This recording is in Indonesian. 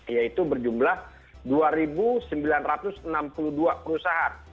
yaitu berjumlah dua sembilan ratus enam puluh dua perusahaan